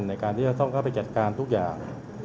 ในการที่จะต้องเข้าไปจัดการทุกอย่าง